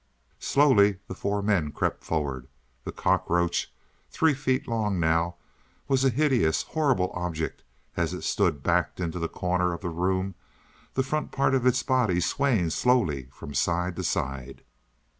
Slowly the four men crept forward. The cockroach, three feet long now, was a hideous, horrible object as it stood backed into the corner of the room, the front part of its body swaying slowly from side to side.